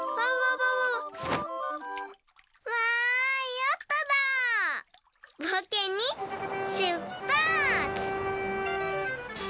ぼうけんにしゅっぱつ！